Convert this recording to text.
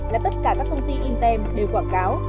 là tất cả các công ty in tem đều quảng cáo